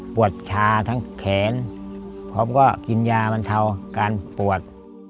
ชาทั้งแขนพร้อมก็กินยาบรรเทาการปวด